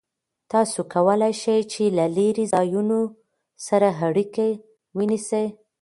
تاسو کولای شئ چې له لرې ځایونو سره اړیکه ونیسئ.